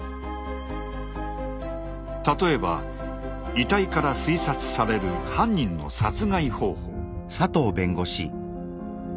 例えば遺体から推察される犯人の殺害方法。